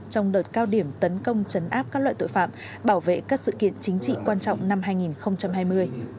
trong đợt cao điểm tấn công chấn áp các loại tội phạm bảo vệ các sự kiện chính trị quan trọng năm hai nghìn hai mươi